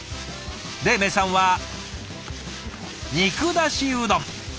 黎明さんは肉だしうどん。